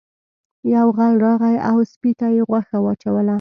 یو غل راغی او سپي ته یې غوښه واچوله.